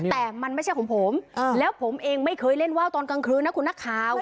แต่มันไม่ใช่ของผมแล้วผมเองไม่เคยเล่นว่าวตอนกลางคืนนะคุณนักข่าว